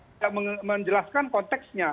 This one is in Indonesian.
tidak menjelaskan konteksnya